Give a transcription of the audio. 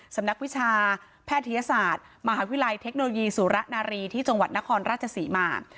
นักวิชาแพทยศาสตร์มหาวิทยาลัยเทคโนโลยีสุระนารีที่จังหวัดนครราชศรีมา